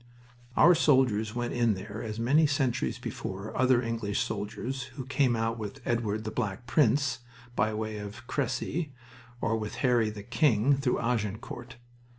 Our soldiers went in there, as many centuries before other English soldiers, who came out with Edward the Black Prince, by way of Crecy, or with Harry the King, through Agincourt.